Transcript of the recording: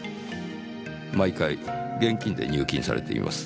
毎回現金で入金されています。